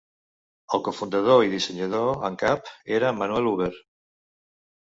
El cofundador i dissenyador en cap era Manuel Huber.